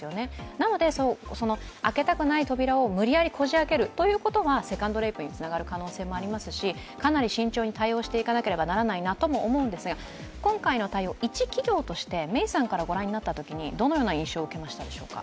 なので開けたくない扉を無理やりこじあけるということはセカンドレイプにつながる可能性がありますし、かなり慎重に対応していかなければならないなとも思うんですが今回の対応、一企業としてメイさんからご覧になったときにどのようにお考えですか？